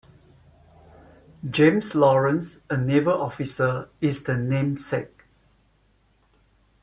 James Lawrence, a naval officer, is the namesake.